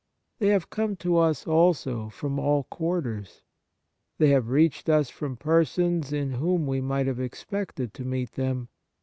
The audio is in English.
They have come to us also from all quarters. They have reached us from persons in whom we might have expected to meet them.